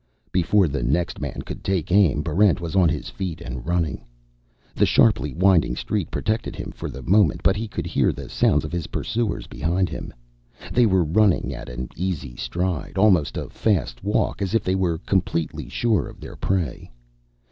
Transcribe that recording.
Before the next man could take aim, Barrent was on his feet and running. The sharply winding street protected him for the moment, but he could hear the sounds of his pursuers behind him. They were running at an easy stride, almost a fast walk, as if they were completely sure of their prey.